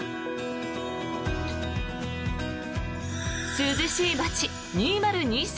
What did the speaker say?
涼しい街２０２３